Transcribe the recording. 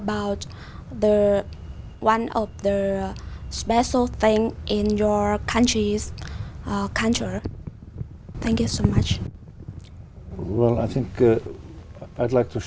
một trải nghiệm